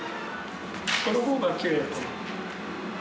この方がきれい。